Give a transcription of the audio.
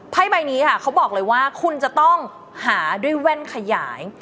ใบนี้ค่ะเขาบอกเลยว่าคุณจะต้องหาด้วยแว่นขยาย